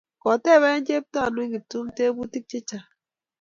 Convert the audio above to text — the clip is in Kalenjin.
Kotepe Cheptanui Kiptum teputik chechang'